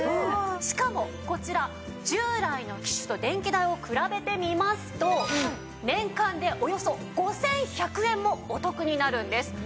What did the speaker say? しかもこちら従来の機種と電気代を比べてみますと年間でおよそ５１００円もお得になるんです。